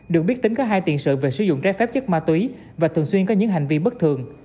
được biết tính có hai tiền sự về sử dụng trái phép chất ma túy và thường xuyên có những hành vi bất thường